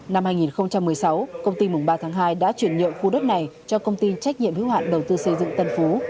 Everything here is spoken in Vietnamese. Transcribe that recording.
năm hai nghìn một mươi sáu công ty mùng ba tháng hai đã chuyển nhượng khu đất này cho công ty trách nhiệm hiếu hạn đầu tư xây dựng tân phú